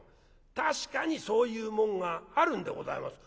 確かにそういう紋があるんでございます」。